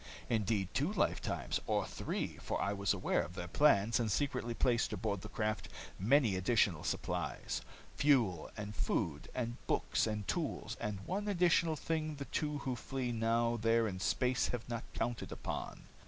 Indeed, two lifetimes, or three, for I was aware of their plans, and secretly I placed aboard the craft many additional supplies. Fuel, and food, and books, and tools. And one additional thing the two who flee now there in space have not counted upon.